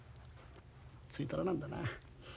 ついとらなんだな。